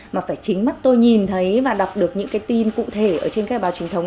mà phải chính mắt tôi nhìn thấy và đọc được những tin cụ thể trên các báo trinh thống